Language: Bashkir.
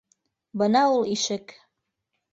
Бына ул ишек